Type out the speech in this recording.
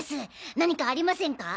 何かありませんか？